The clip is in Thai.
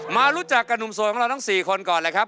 มารู้จักกับหนุ่มสวยของเราทั้ง๔คนก่อนเลยครับ